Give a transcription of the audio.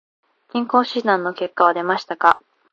健康診断の結果は出ましたか。